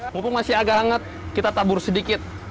pupuk masih agak hangat kita tabur sedikit